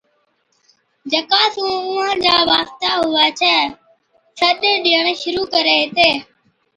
جڪا سُون اُونھان چا واسطا ھُوي ڇَي، سڏ ڏيئڻ شرُوع ڪري ھِتي۔